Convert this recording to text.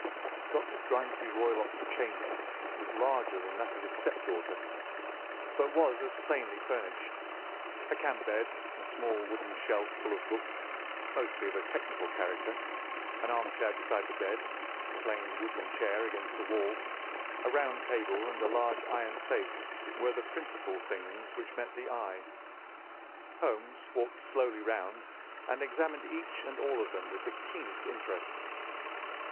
Dr. Grimesby Roylott's chamber was larger than that of his step daughter, but was as plainly furnished. A camp bed, a small wooden shelf full of books, mostly of a technical character, an armchair beside the bed, a plain wooden chair against the wall, a round table, and a large iron safe were the principal things which met the eye. Holmes walked slowly round and examined each and all of them with the keenest interest.